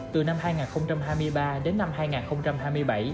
từ năm hai nghìn hai mươi ba đến năm hai nghìn hai mươi bảy